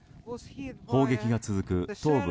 砲撃が続く東部